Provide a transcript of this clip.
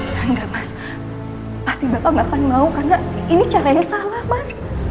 enggak mas pasti bapak nggak akan mau karena ini caranya salah mas